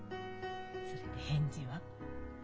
それで返事は？